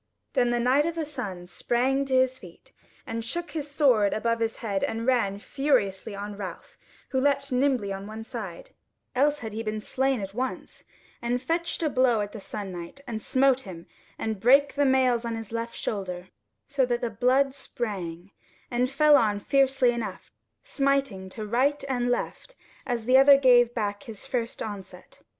Then the Knight of the Sun sprang to his feet, and shook his sword above his head and ran furiously on Ralph, who leapt nimbly on one side (else had he been slain at once) and fetched a blow at the Sun Knight, and smote him, and brake the mails on his left shoulder, so that the blood sprang, and fell on fiercely enough, smiting to right and left as the other gave back at his first onset.